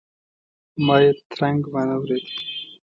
ما یې ترنګ وانه ورېد.